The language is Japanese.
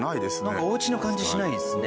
なんかお家の感じしないですね。